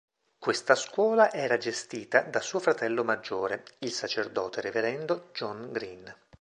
Questa scuola era gestita da suo fratello maggiore, il sacerdote Reverendo John Green.